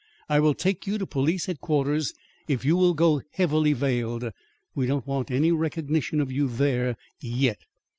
I will take you to Police Headquarters if you will go heavily veiled. We don't want any recognition of you there YET."